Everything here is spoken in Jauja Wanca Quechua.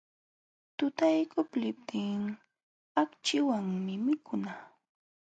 Tutaykuqluptin akchiwanmi mikuna.